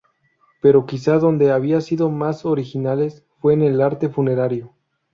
Pero quizás donde habían sido más originales fue en el arte funerario.